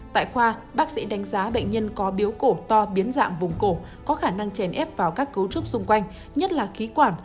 tại khoa bác sĩ đánh giá bệnh nhân có biếu cổ to biến dạng vùng cổ có khả năng chèn ép vào các cấu trúc xung quanh nhất là khí quản